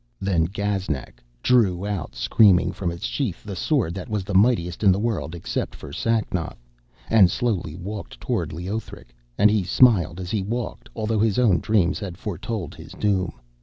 Then Gaznak drew out screaming from its sheath the sword that was the mightiest in the world except for Sacnoth, and slowly walked towards Leothric; and he smiled as he walked, although his own dreams had foretold his doom.